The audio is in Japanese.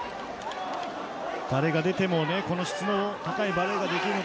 誰が出てもこの質の高いバレーができるのが